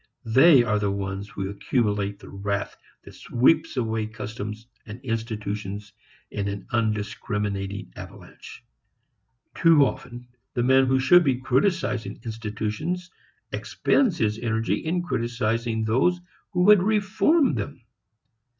They are the ones who accumulate the wrath that sweeps away customs and institutions in an undiscriminating avalanche. Too often the man who should be criticizing institutions expends his energy in criticizing those who would re form them.